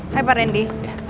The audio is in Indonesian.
hai pak randy